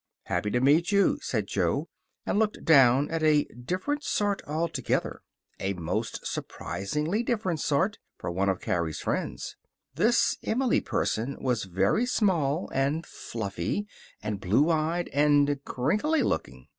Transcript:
"Happy to meet you," said Jo, and looked down at a different sort altogether. A most surprisingly different sort, for one of Carrie's friends. This Emily person was very small, and fluffy, and blue eyed, and crinkly looking.